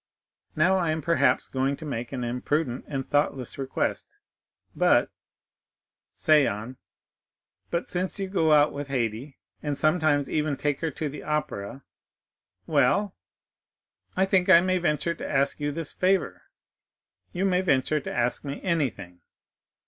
Now, I am perhaps going to make an imprudent and thoughtless request, but——" "Say on." "But, since you go out with Haydée, and sometimes even take her to the Opera——" "Well?" "I think I may venture to ask you this favor." "You may venture to ask me anything."